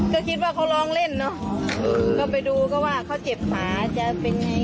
ก็คิดว่าเขาร้องเล่นเนอะก็ไปดูก็ว่าเขาเจ็บหมาจะเป็นไง